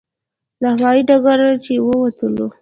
له هوایي ډګره چې ووتلو.